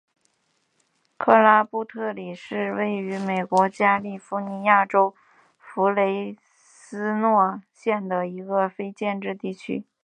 克拉布特里是位于美国加利福尼亚州弗雷斯诺县的一个非建制地区。